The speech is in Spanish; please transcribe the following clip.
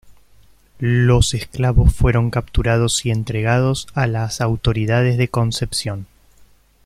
Los esclavos fueron capturados y entregados a las autoridades de Concepción.